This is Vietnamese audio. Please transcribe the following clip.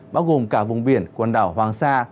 bao gồm cả vùng biển quần đảo hoàng sa